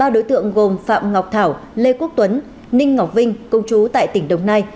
ba đối tượng gồm phạm ngọc thảo lê quốc tuấn ninh ngọc vinh công chú tại tỉnh đồng nai